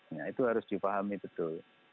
nah itu harus dipahami betul